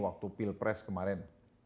waktu pilpres kemarin